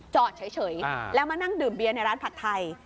จอดเฉยแล้วมานั่งดื่มเบียร์ในร้านผัดไทย